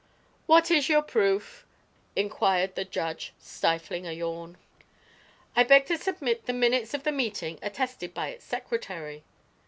"What is your proof?" inquired the judge, stifling a yawn. "I beg to submit the minutes of the meeting, attested by its secretary."